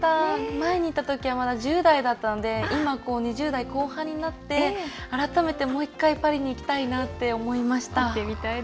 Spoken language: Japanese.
前に行ったときは１０代だったので今、２０代後半になって改めて、もう１回パリに行きたいなって思いました。